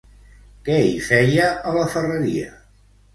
Què hi feia a la ferreria?